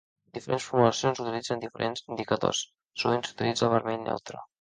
Diferents formulacions utilitzen diferents indicadors: sovint s'utilitza el vermell neutre.